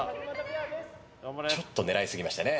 ちょっと狙いすぎましたね。